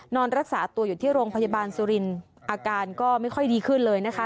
นอนรักษาตัวอยู่ที่โรงพยาบาลสุรินทร์อาการก็ไม่ค่อยดีขึ้นเลยนะคะ